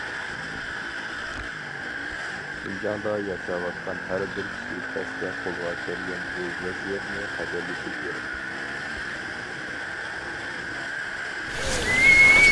شىنجاڭدا ياشاۋاتقان ھەر بىر كىشى تەستە قولغا كەلگەن بۇ ۋەزىيەتنى قەدىرلىشى كېرەك.